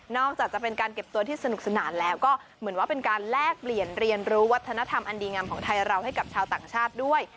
อกจากจะเป็นการเก็บตัวที่สนุกสนานแล้วก็เหมือนว่าเป็นการแลกเปลี่ยนเรียนรู้วัฒนธรรมอันดีงามของไทยเราให้กับชาวต่างชาติด้วย